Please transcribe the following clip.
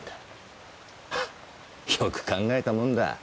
よく考えたもんだ。